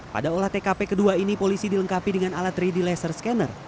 pada olah tkp kedua ini polisi dilengkapi dengan alat tiga d laser scanner